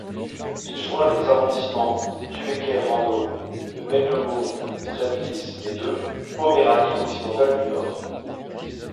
Il joint les arrondissements d'Uecker-Randow, de Mecklembourg-Strelitz et de Poméranie-Occidentale-du-Nord.